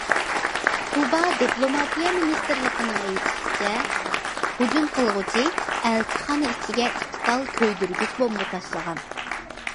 كۇبا دىپلوماتىيە مىنىستىرلىقىنىڭ ئېيتىشىچە، ھۇجۇم قىلغۇچى ئەلچىخانا ئىچىگە ئىككى تال كۆيدۈرگۈچ بومبا تاشلىغان.